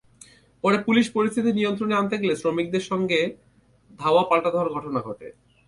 পরে পুলিশ পরিস্থিতি নিয়ন্ত্রণে আনতে গেলে শ্রমিকদের সঙ্গে ধাওয়া-পাল্টাধাওয়ার ঘটনা ঘটে।